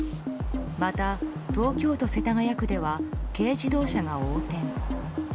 また、東京都世田谷区では軽自動車が横転。